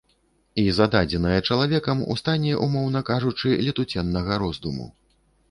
І зададзенае чалавекам у стане, умоўна кажучы, летуценнага роздуму.